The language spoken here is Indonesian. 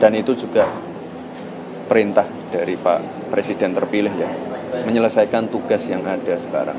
dan itu juga perintah dari pak presiden terpilih ya menyelesaikan tugas yang ada sekarang